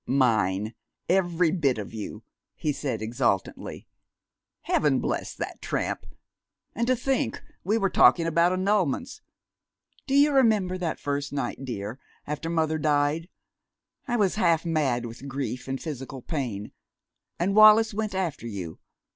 "Mine, every bit of you!" he said exultantly. "Heaven bless that tramp!... And to think we were talking about annulments!... Do you remember that first night, dear, after mother died? I was half mad with grief and physical pain. And Wallis went after you.